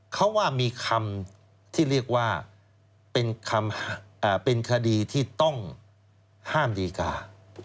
เขาว่ามีคำที่เรียกว่าเป็นคดีที่ต้องห้ามดีกา